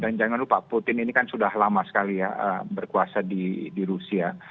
dan jangan lupa putin ini kan sudah lama sekali ya berkuasa di rusia